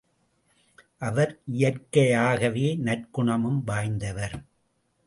அவர் இயற்கையாகவே நற்குணமும் வாய்ந்தவர்.